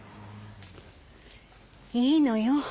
いいのよ。